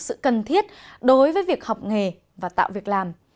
sự cần thiết đối với việc học nghề và tạo việc làm